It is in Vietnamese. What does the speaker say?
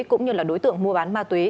cũng như là đối tượng mua bán ma tuế